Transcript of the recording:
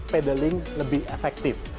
paddling lebih efektif